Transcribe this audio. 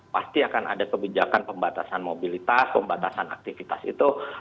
pasti akan ada kebijakan pembatasan mobilitas pembatasan aktivitas itu